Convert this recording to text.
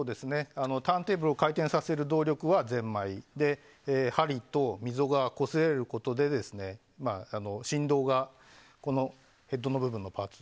ターンテーブルを回転させる動力はぜんまいで針と溝がこすれることで振動がヘッドの部分のパーツ